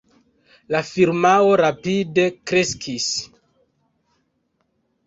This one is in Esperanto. La firmao rapide kreskis.